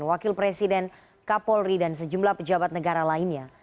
wakil presiden kapolri dan sejumlah pejabat negara lainnya